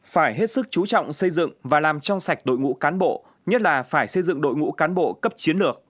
phải hết sức chú trọng xây dựng và làm trong sạch đội ngũ cán bộ nhất là phải xây dựng đội ngũ cán bộ cấp chiến lược